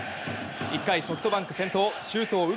１回、ソフトバンク先頭、周東佑